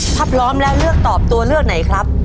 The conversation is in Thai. ถ้าพร้อมแล้วเลือกตอบตัวเลือกไหนครับ